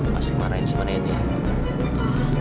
pasti marahin sama nenek